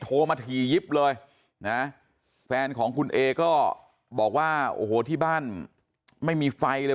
โทรมาถี่ยิบเลยนะแฟนของคุณเอก็บอกว่าโอ้โหที่บ้านไม่มีไฟเลย